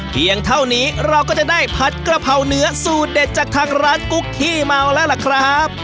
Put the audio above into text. เพียงเท่านี้เราก็จะได้ผัดกระเพราเนื้อสูตรเด็ดจากทางร้านกุ๊กขี้เมาแล้วล่ะครับ